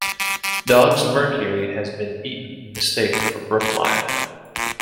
Dog's mercury has been eaten in mistake for brooklime.